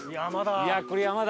いやこれ山だ。